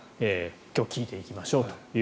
今日、聞いていきましょうと。